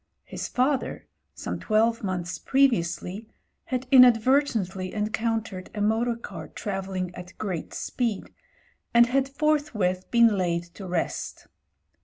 His father, some twelve months previously, had inadvertently encoun tered a motor car travelling at great speed, and had forthwith been laid to rest.